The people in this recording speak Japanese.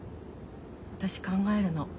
私考えるの。